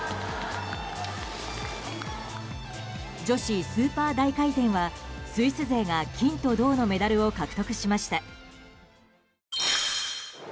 女子スーパー大回転はスイス勢が金と銅のメダルを獲得しました。